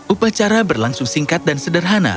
upacara berlangsung singkat dan sederhana